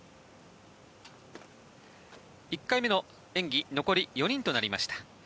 １回目の演技残り４人となりました。